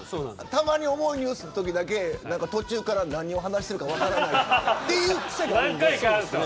たまに重いニュースのときだけ途中から何を話しているか分からないという癖があるんで。